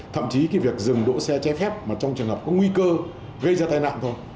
thậm chí cái việc dừng đỗ xe trái phép mà trong trường hợp có nguy cơ gây ra tai nạn thôi